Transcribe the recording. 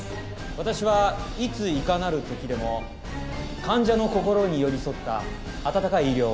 私はいついかなる時でも患者の心に寄り添った温かい医療を目指してきました。